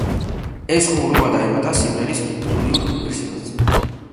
ეს ხუმრობა დაემატა სიმღერის სტუდიურ ვერსიასაც.